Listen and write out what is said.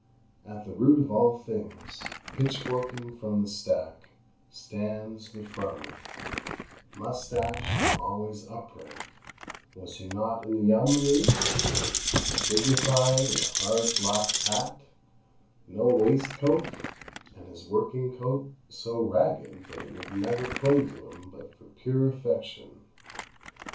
At the root of all things, pitchforking from the stack, stands—the farmer, moustached, and always upright was he not in the Yeomanry?—dignified in a hard black hat, no waistcoat, and his working coat so ragged that it would never cling to him but for pure affection.